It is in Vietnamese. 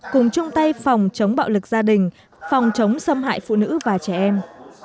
cùng chung tay phòng chống bạo lực gia đình phòng chống xâm hại phụ nữ và trẻ em